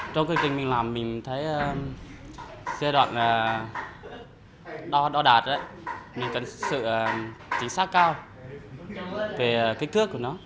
trong kinh tinh mình làm mình thấy giai đoạn đo đạt ấy mình cần sự chính xác cao về kích thước của nó